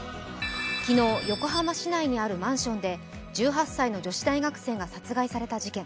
昨日、横浜市内にあるマンションで１８歳の女子大学生が殺害された事件。